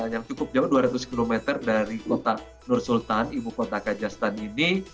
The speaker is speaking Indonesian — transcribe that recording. yang cukup jauh dua ratus km dari kota nur sultan ibu kota kajastan ini